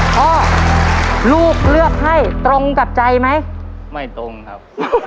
พ่อลูกเลือกให้ตรงกับใจไหมไม่ตรงครับ